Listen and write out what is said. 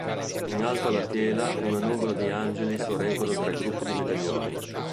In alto alla tela una nuvola di angeli sorreggono tre gruppi di medaglioni.